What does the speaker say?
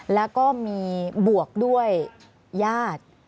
แล้วก็มีบวกด้วยญาติ